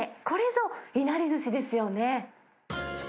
これぞ、いなりずしですよね。